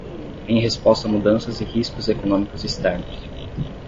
Em resposta a mudanças e riscos econômicos externos